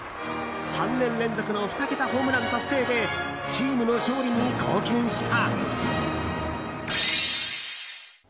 ３年連続の２桁ホームラン達成でチームの勝利に貢献した。